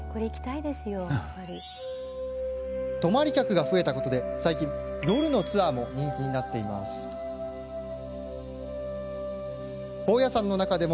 泊まり客が増えたことで最近、夜のツアーも人気になっているんです。